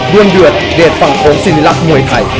ด้วนเดือดเดทฟังโทสินิลักษณ์มวยไทย